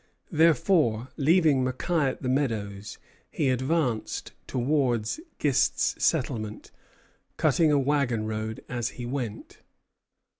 Therefore, leaving Mackay at the Meadows, he advanced towards Gist's settlement, cutting a wagon road as he went.